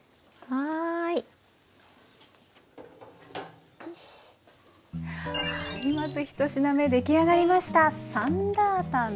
はいまず一品目出来上がりました。